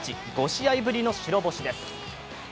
５試合ぶりの白星です。